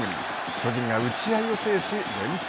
巨人が打ち合いを制し連敗